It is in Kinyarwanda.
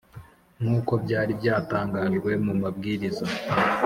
nk’uko byari byatangajwe mu mabwiriza